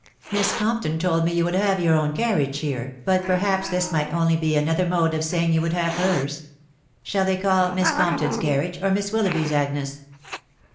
Miss Compton told me you would have your own carriage here, but perhaps this might only be another mode of saying you would have hers. Shall they call Miss Compton' s carriage, or Miss Willoughby's, Agnes